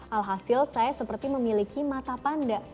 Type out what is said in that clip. alhasil saya seperti memiliki mata panda